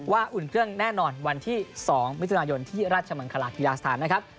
อุ่นเครื่องแน่นอนวันที่๒มิถุนายนที่ราชมังคลากีฬาสถานนะครับ